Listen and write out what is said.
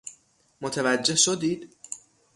متوجه شدید؟